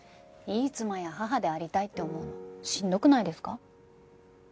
いい妻や母でありたいって思うのしんどくないですか？